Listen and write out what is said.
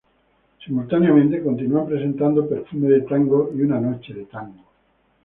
Simultáneamente continúan presentando "Perfume de Tango" y "Una noche de tango".